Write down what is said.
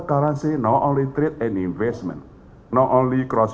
bukan hanya untuk investasi